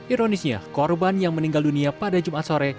ironisnya korban yang meninggal dunia pada jumat sore